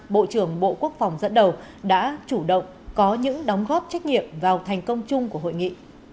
bộ trưởng bộ quốc phòng dẫn đầu đã chủ động có những đóng góp trách nhiệm vào thành công chung của hội nghị